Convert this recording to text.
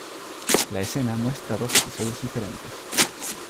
La escena muestra dos episodios diferentes.